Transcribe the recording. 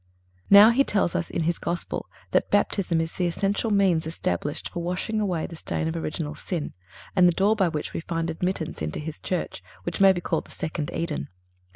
Now He tells us in His Gospel that Baptism is the essential means established for washing away the stain of original sin and the door by which we find admittance into His Church, which may be called the second Eden.